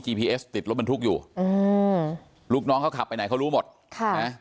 พีเอสติดรถบรรทุกอยู่อืมลูกน้องเขาขับไปไหนเขารู้หมดค่ะนะ